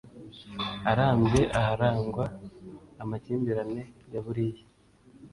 arambye aharangwa amakimbirane ya buriya